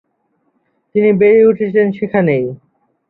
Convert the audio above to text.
তিনি বেড়ে উঠেছেন সেখানেই।